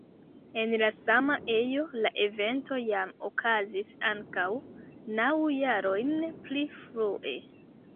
En la sama ejo la evento jam okazis ankaŭ naŭ jarojn pli frue.